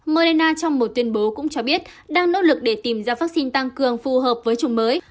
mona trong một tuyên bố cũng cho biết đang nỗ lực để tìm ra vaccine tăng cường phù hợp với chủng mới